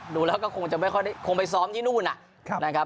ดูแล้วก็คงไปซ้อมที่นู่นนะครับ